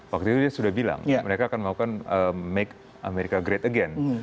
waktu itu dia sudah bilang mereka akan melakukan make america great again